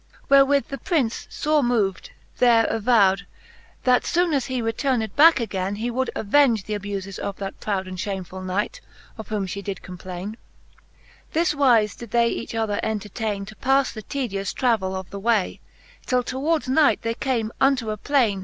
XXXIV. Wherewith the Prince fore moved, there avoud^ That foone as he returned backe againe, " He would avenge th' abufes of that proud And fhamefuU Knight, of whom flie did complaine. This wize did they each other entertaine, To paffe the tedious travell of the way ; Till towards night they came untp a plaine.